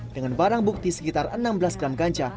dengan barang bukti sekitar enam belas gram ganja